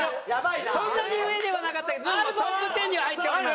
そんなに上ではなかったけどでもトップ１０には入っております。